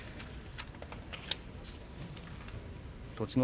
栃ノ